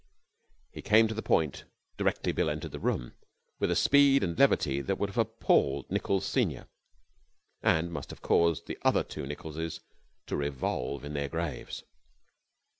He came to the point, directly Bill entered the room, with a speed and levity that would have appalled Nichols Senior, and must have caused the other two Nicholses to revolve in their graves.